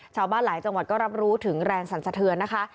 ชาวบ้านหลายจังหวัดก็รับรู้ถึงแรงสรรสะเทือนนะคะ